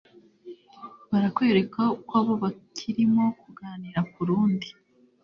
barakwereka uko abo bakirimo kuganira kurundi